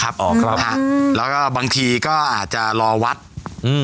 บางทีอาจจะรอวัฒน์